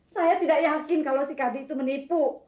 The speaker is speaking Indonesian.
saya tidak yakin kalau si kb itu menipu